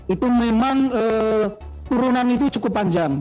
itu memang turunan itu cukup panjang